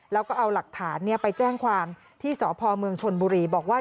แล้วก็เอาหลักฐานไปแจ้งความที่สพเมืองชนบุรีบอกว่า